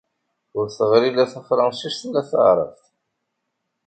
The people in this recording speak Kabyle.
Ur teɣri la tafransist la taɛrabt.